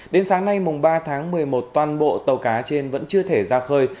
đến sáng nay mùng ba tháng một mươi một toàn bộ tàu cá trên vẫn chưa thể ra khơi